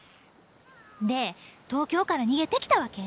で東京から逃げてきたわけ？